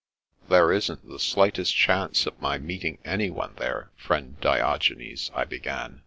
" There isn't the slightest chance of my meeting anyone there, friend Diogenes," I began.